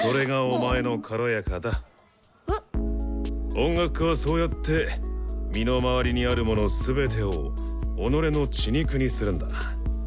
音楽家はそうやって身の回りにあるものすべてを己の血肉にするんだ。